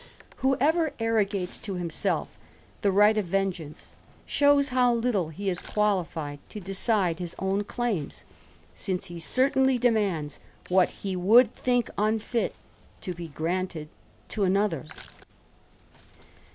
Whoever arrogates to himself the right of vengeance, shows how little he is qualified to decide his own claims, since he certainly demands what he would think unfit to be granted to another.